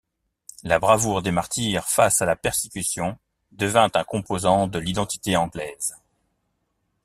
La bravoure des martyrs face à la persécution devint un composant de l'identité anglaise.